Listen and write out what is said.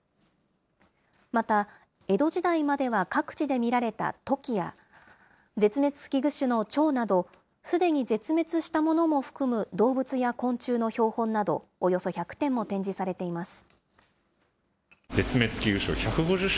また、江戸時代までは各地で見られたトキや、絶滅危惧種のちょうなど、すでに絶滅したものも含む動物や昆虫の標本などおよそ１００点も展示されています。